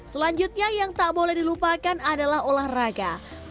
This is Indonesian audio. selanjutnya yang tak boleh dilupakan adalah olahraga